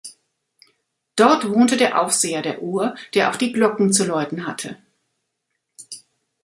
Dort wohnte der Aufseher der Uhr, der auch die Glocken zu läuten hatte.